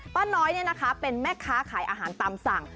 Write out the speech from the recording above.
ป้าน้อยเป็นแม่ค้าขายอาหารตามสั่ง